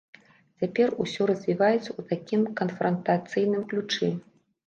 Цяпер усё развіваецца ў такім канфрантацыйным ключы.